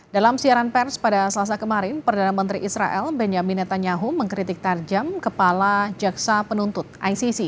dalam siaran pers pada selasa kemarin perdana menteri israel benjamin netanyahu mengkritik tarjam kepala jaksa penuntut icc